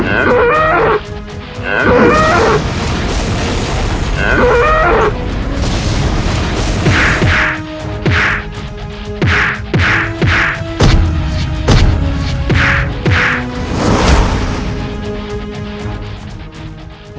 ketika kau menangkapku aku akan menangkapmu